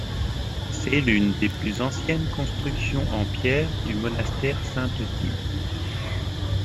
C'est l'une des plus anciennes constructions en pierre du monastère Saint-Euthyme.